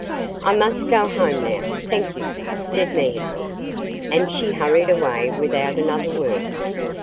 "I must go home now, thank you!" said Mehitable. And she hurried away without another word.